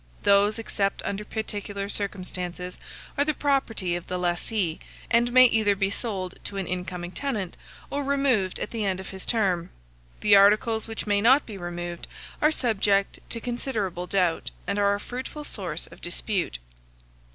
Those, except under particular circumstances, are the property of the lessee, and may either be sold to an incoming tenant, or removed at the end of his term. The articles which may not be removed are subject to considerable doubt, and are a fruitful source of dispute.